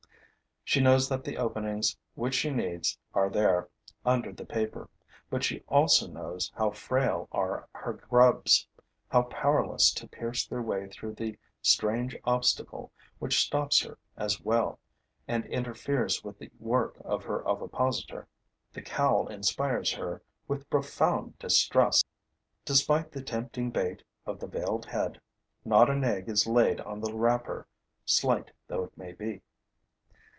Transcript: She knows that the openings which she needs are there, under the paper; but she also knows how frail are her grubs, how powerless to pierce their way through the strange obstacle which stops her as well and interferes with the work of her ovipositor. The cowl inspires her with profound distrust. Despite the tempting bait of the veiled head, not an egg is laid on the wrapper, slight though it may be.